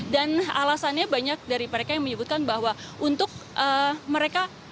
dan alasannya banyak dari mereka yang menyebutkan bahwa untuk mereka